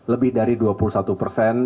lebih dari dua puluh satu persen